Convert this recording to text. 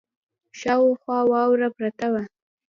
شاوخوا واوره پرته وه.